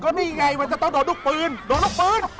นี่ไงมันจะต้องโดดลูกปืนโดดลูกปืน